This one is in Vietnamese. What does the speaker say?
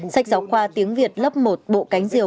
sách giáo khoa tiếng việt lớp một bộ cánh diều